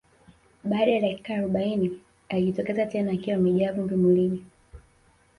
Baada ya dakika arobaini alijitokeza tena akiwa amejaa vumbi mwilini